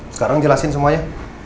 sekarang jelasin semuanya